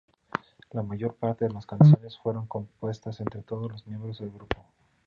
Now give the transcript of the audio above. La mayor parte de las canciones fueron compuestas entre todos los miembros del grupo.